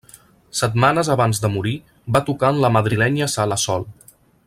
Setmanes abans de morir va tocar en la madrilenya sala Sol.